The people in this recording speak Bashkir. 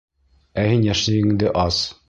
Ә һин йәшнигеңде ас!